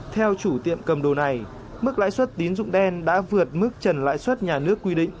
theo chủ tiệm cầm đồ này mức lãi suất tín dụng đen đã vượt mức trần lãi suất nhà nước quy định